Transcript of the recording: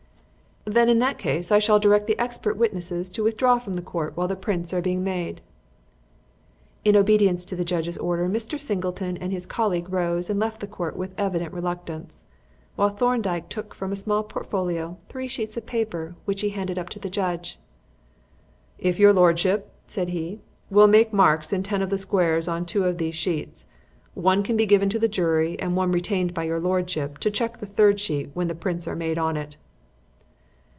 "Then, in that case, I shall direct the expert witnesses to withdraw from the court while the prints are being made." In obedience to the judge's order, Mr. Singleton and his colleague rose and left the court with evident reluctance, while Thorndyke took from a small portfolio three sheets of paper which he handed up to the judge. "If your lordship," said he, "will make marks in ten of the squares on two of these sheets, one can be given to the jury and one retained by your lordship to check the third sheet when the prints are made on it."